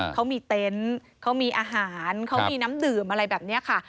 เขามีเต็นต์เขามีอาหารเขามีน้ำดื่มอะไรแบบนี้ค่ะ